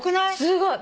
すごい。